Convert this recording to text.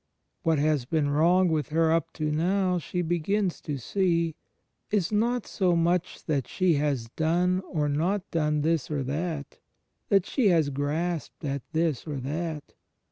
What has been wrong with her up to now, she begins to see, is not so much that she has done or not done this or that, that she has grasped at this or that